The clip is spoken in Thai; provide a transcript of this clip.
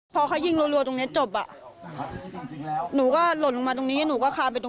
พอเขายิงรวตรงเนี้ยจบอ่ะหนูก็หล่นลงมาตรงนี้หนูก็คาไปตรงนู้น